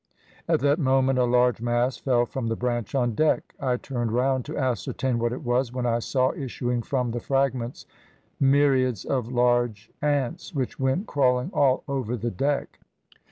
At that moment a large mass fell from the branch on deck: I turned round to ascertain what it was, when I saw issuing from the fragments myriads of large ants, which went crawling all over the deck.